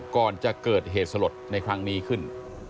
ก่อนจะเกิดเหตุสลดในครั้งนี้ขึ้น